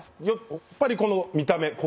やっぱりこの見た目。